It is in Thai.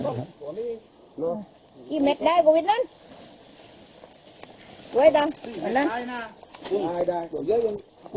อันนี้มันหลอดไปทางใต้พี่มันไม่ได้